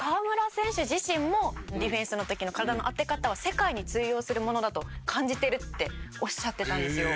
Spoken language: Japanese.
選手自身もディフェンスの時の体の当て方は世界に通用するものだと感じているっておっしゃってたんですよ。